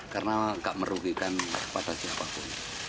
karena enggak merugikan kepada siapapun